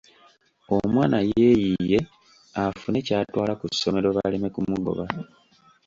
Omwana yeeyiiye afune ky'atwala ku ssomero baleme kumugoba.